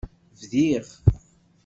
Bdiɣ.